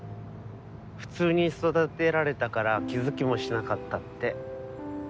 普通に育てられたから気付きもしなかったって。